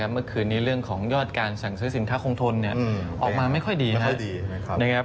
เมื่อคืนนี้เรื่องของยอดการสั่งซื้อสินค้าคงทนออกมาไม่ค่อยดีนะครับ